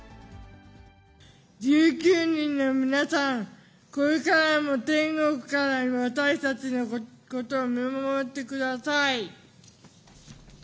１９人の皆さん、これからも天国から私たちのことを見守ってください。